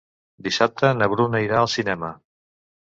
Dissabte na Bruna irà al cinema.